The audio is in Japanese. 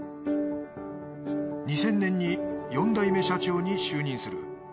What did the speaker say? ２０００年に４代目社長に就任する。